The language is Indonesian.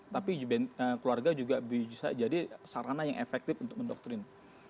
tapi keluarga juga bisa jadi sarana yang efektif untuk mendoktrin